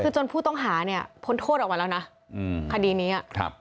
คือจนผู้ต้องหาเนี่ยพ้นโทษออกมาแล้วนะคดีนี้